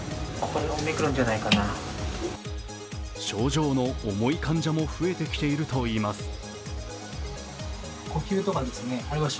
症状の重い患者も増えてきているといいます。